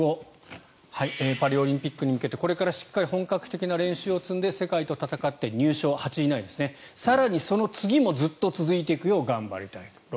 鈴木選手、優勝後パリオリンピックに向けてこれからしっかり本格的な練習を積んで世界と戦って入賞８位以内更にその次もずっと続いていくよう頑張りたいと。